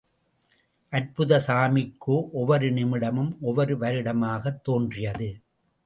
அற்புத சாமிக்கோ ஒவ்வொரு நிமிடமும் ஒவ்வொரு வருடமாகத்தோன்றியது.